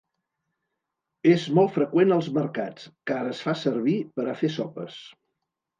És molt freqüent als mercats, car es fa servir per a fer sopes.